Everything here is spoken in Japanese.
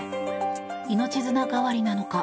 命綱代わりなのか